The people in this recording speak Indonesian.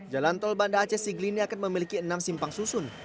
jalan tol ini akan memiliki enam simpang susun